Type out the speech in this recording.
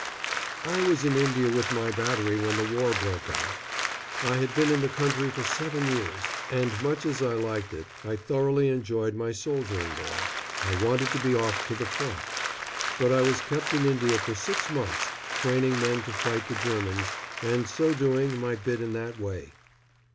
] I was in India with my battery when the war broke out. I had been in the country for seven years, and much as I liked it I thoroughly enjoyed my soldiering there I wanted to be off to the front. But I was kept in India for six months, training men to fight the Germans, and so doing my bit in that way.